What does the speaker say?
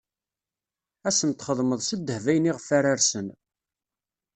Ad sen-txedmeḍ s ddheb ayen iɣef ara rsen.